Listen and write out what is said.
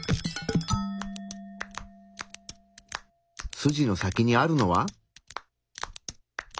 筋の先にあるのは？